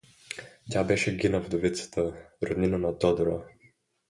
Тя беше Гина вдовицата, роднина на Тодора.